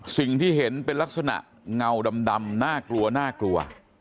สิ่งที่เห็นเป็นลักษณะเงาดำน่ากลัว